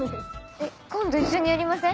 今度一緒にやりません？